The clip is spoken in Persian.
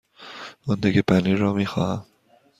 آن تکه پنیر را می خواهم.